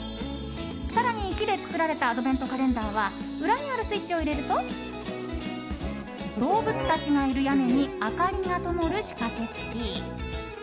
更に、木で作られたアドベントカレンダーは裏にあるスイッチを入れると動物たちがいる屋根に明かりがともる仕掛け付き。